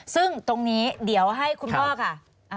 ซึ่งตรงนี้เดี๋ยวให้คุณพ่อค่ะ